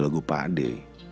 ada lagu lagu pakde